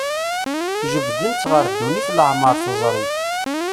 Jebbden-tt ɣer ddunit leɛmer teẓri.